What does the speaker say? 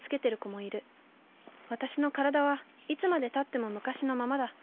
私の体はいつまでたっても昔のままだ。